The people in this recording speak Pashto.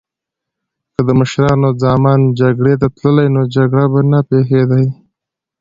که د مشرانو ځامن جګړی ته تللی نو جګړې به نه پیښیدی